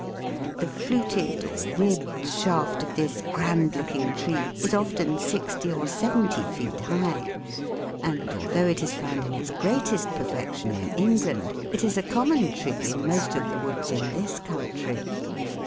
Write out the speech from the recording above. _ The fluted, or ribbed, shaft of this grand looking tree is often sixty or seventy feet high, and, although it is found in its greatest perfection in England, it is a common tree in most of the woods in this country.